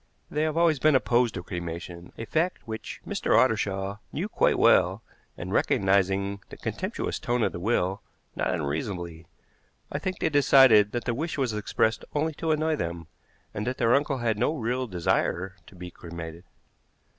They have always been opposed to cremation, a fact which Mr. Ottershaw knew quite well, and, recognizing the contemptuous tone of the will, not unreasonably, I think, they decided that the wish was expressed only to annoy them, and that their uncle had no real desire to be cremated."